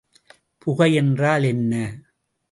புகை என்றால் என்ன?